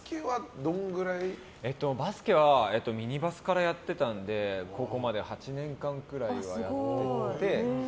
バスケはミニバスからやってたので高校まで８年間くらいはやってて。